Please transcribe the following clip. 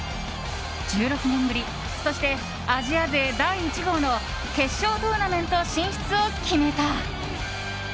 １６年ぶりそしてアジア勢第１号の決勝トーナメント進出を決めた。